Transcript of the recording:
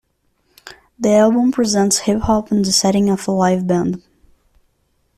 The album presents hip hop in the setting of a live band.